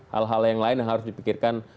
hal hal yang lain yang harus dipikirkan